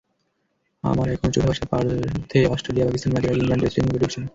আমার এখনো চোখে ভাসে, পার্থে অস্ট্রেলিয়া-পাকিস্তান ম্যাচের আগে ইমরান ড্রেসিংরুমে ঢুকছেন।